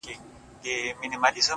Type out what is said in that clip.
د ميني اوبه وبهېږي!!